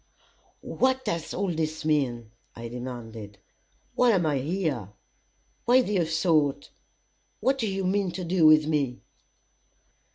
"What does all this mean?" I demanded. "Why am I here? Why this assault? What do you mean to do with me?"